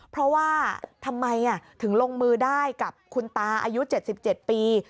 เพราะว่าทำไมอ่ะถึงลงมือได้กับคุณตาอายุเจ็ดสิบเจ็ดปี